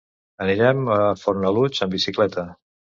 Anirem a Fornalutx amb bicicleta.